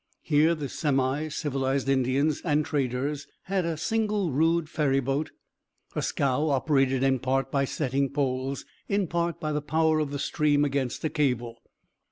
Here the semicivilized Indians and traders had a single rude ferryboat, a scow operated in part by setting poles, in part by the power of the stream against a cable.